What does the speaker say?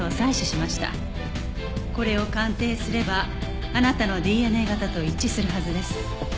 これを鑑定すればあなたのＤＮＡ型と一致するはずです。